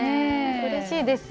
うれしいです。